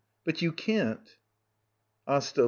But you can't? AsTA.